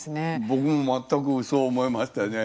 僕もまったくそう思いましたね。